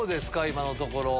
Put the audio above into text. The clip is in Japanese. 今のところ。